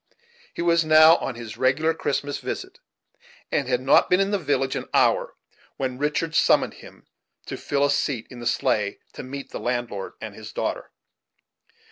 He was now on his regular Christmas visit, and had not been in the village an hour when Richard summoned him to fill a seat in the sleigh to meet the landlord and his daughter.